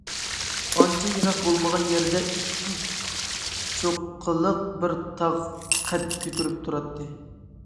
ئانچە يىراق بولمىغان يەردە ئىككى چوققىلىق بىر تاغ قەد كۆتۈرۈپ تۇراتتى.